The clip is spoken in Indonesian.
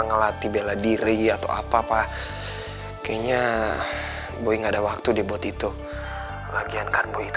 ngelatih bela diri atau apa apa kayaknya gue nggak ada waktu di bot itu bagian karbon itu